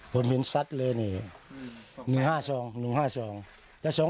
ผมเห็นสัดเลย